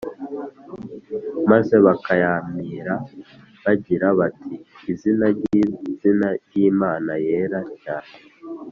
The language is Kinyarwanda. maze bakiyamira bagira bati izina ry iizina ry Imana yera cyane